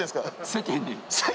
世間に？